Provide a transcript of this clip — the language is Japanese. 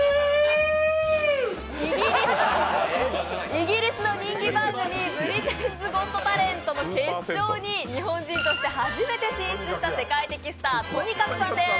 イギリスの人気番組「ブリテンズ・ゴット・タレント」の決勝に日本人として初めて進出した世界的スター、ＴＯＮＩＫＡＫＵさんです。